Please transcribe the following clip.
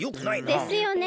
ですよね。